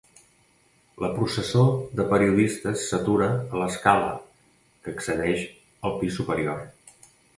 La processó de periodistes s’atura a l’escala que accedeix al pis superior.